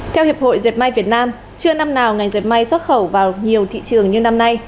theo hiệp hội dẹp may việt nam chưa năm nào ngành dẹp may xuất khẩu vào nhiều thị trường như năm nay